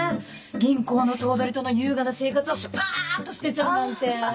銀行の頭取との優雅な生活をスパ！っと捨てちゃうなんて。